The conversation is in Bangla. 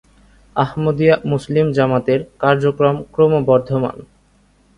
আহমদীয়া মুসলিম জামাতের কার্যক্রম ক্রমবর্ধমান।